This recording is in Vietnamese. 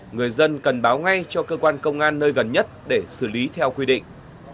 người dân cần báo ngay cho cơ quan công an nơi gần nhất để xử lý theo quy định